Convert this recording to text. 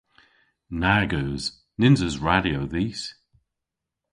Nag eus. Nyns eus radyo dhis.